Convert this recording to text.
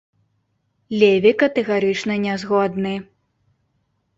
Леві катэгарычна не згодны.